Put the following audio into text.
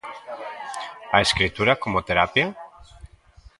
A escritura como terapia?